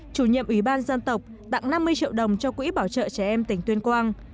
chủ nhiệm ủy ban dân tộc tặng năm mươi triệu đồng cho quỹ bảo trợ trẻ em tỉnh tuyên quang